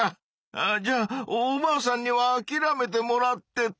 あじゃあおばあさんにはあきらめてもらってと。